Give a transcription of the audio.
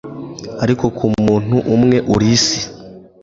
ariko ku muntu umwe uri isi